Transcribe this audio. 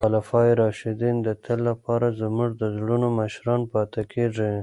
خلفای راشدین د تل لپاره زموږ د زړونو مشران پاتې کیږي.